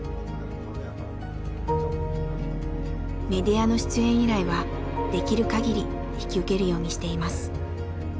メディアの出演依頼はできるかぎり引き受けるようにしています。